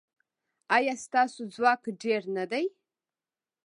ایا ستاسو ځواک ډیر نه دی؟